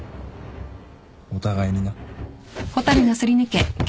お互いにな。